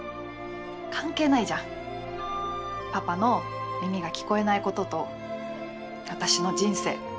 関係ないじゃんパパの耳が聞こえないことと私の人生。